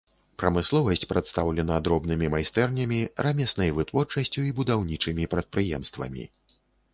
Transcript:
Прамысловасць прадстаўлена дробнымі майстэрнямі, рамеснай вытворчасцю і будаўнічымі прадпрыемствамі.